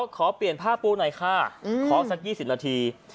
ขอเปลี่ยนผ้าปูหน่อยค่ะขอสัก๒๐นาที